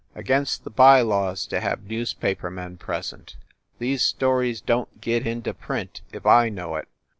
Against the by laws to have newspaper men present. These stories don t get into print if I know it."